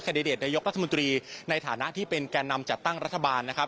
เดตนายกรัฐมนตรีในฐานะที่เป็นแก่นำจัดตั้งรัฐบาลนะครับ